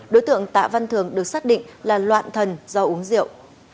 đối tượng tạ văn thường được xác định là loạn thần do uống rượu